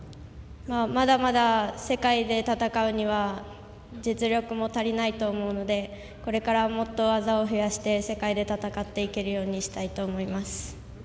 まだまだ世界で戦うには実力も足りないと思うのでこれから、もっと技を増やして世界で戦っていけるようにしたいと思います。